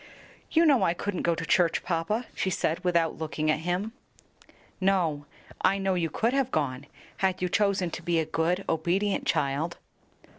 "You know I couldn't go to church, papa," she said, without looking at him. "No; I know you could have gone, had you chosen to be a good, obedient child."